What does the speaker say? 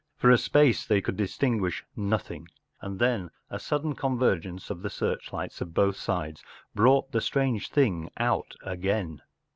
For a space they could distinguish nothing, and then a sudden con¬ vergence of the searchlights of both sides brought the strange thing but again.